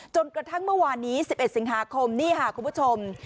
จนกระทั่งเมื่อวานนี้๑๑สิงหาคมนี่ค่ะคุณผู้ชม